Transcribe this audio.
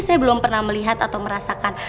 saya belum pernah melihat atau merasakan